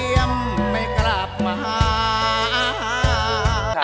ยังไม่กลับมาหา